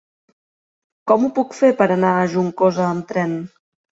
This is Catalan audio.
Com ho puc fer per anar a Juncosa amb tren?